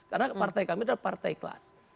karena partai kami adalah partai kelas